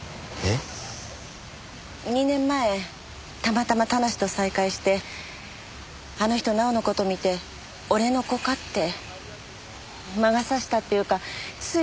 ２年前たまたま田無と再会してあの人奈緒の事見て「俺の子か？」って。魔が差したっていうかつい